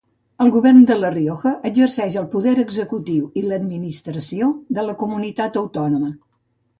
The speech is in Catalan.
El Govern de La Rioja exerceix el poder executiu i l'administració de la Comunitat Autònoma.